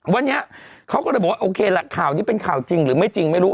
วันนี้เขาก็เลยบอกว่าโอเคล่ะข่าวนี้เป็นข่าวจริงหรือไม่จริงไม่รู้